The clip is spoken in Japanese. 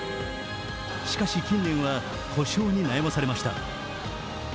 しかし、近年は故障に悩まされました。